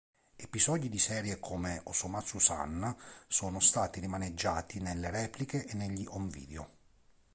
Episodi di serie come "Osomatsu-san" sono stati rimaneggiati nelle repliche e negli home video.